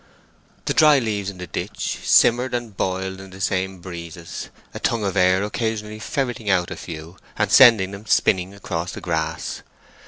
The dry leaves in the ditch simmered and boiled in the same breezes, a tongue of air occasionally ferreting out a few, and sending them spinning across the grass.